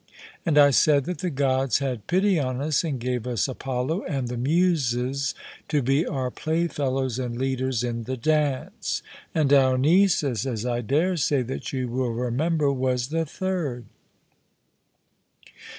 And I said that the Gods had pity on us, and gave us Apollo and the Muses to be our playfellows and leaders in the dance; and Dionysus, as I dare say that you will remember, was the third.